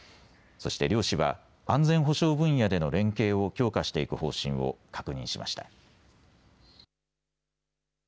そして両氏は安全保障分野での連携を強化していく方針を確認しました。